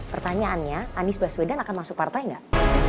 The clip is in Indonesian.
pertanyaannya anies baswedan akan masuk partai nggak